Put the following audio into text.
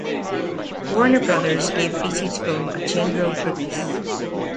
Warner Brothers gave Beatty's film a general release.